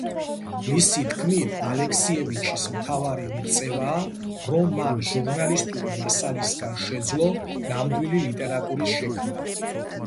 მისი თქმით ალექსიევიჩის მთავარი მიღწევაა, რომ მან ჟურნალისტური მასალისგან შეძლო ნამდვილი ლიტერატურის შექმნა.